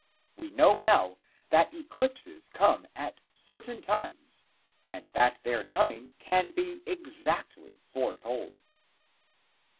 We know now that eclipses come at certain times and that their coming can be exactly foretold.